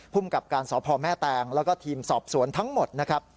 พุ่มกับการสอบภอมแม่แตงแล้วก็ทีมสอบสวนทั้งหมด